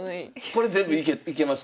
これ全部いけました？